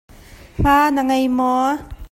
Hma na ngei maw?